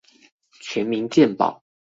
全民健保